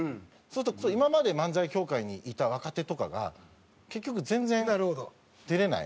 すると今まで漫才協会にいた若手とかが結局全然出れない。